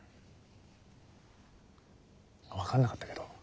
分かんなかったけど佐伯はね